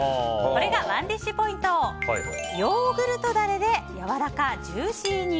これがＯｎｅＤｉｓｈポイントヨーグルトダレでやわらかジューシーに。